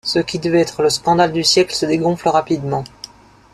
Ce qui devait être le scandale du siècle se dégonfle rapidement.